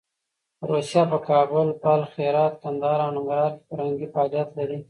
روسیه په کابل، بلخ، هرات، کندهار او ننګرهار کې فرهنګي فعالیت لري.